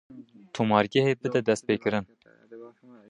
Tomargehê bide destpêkirin.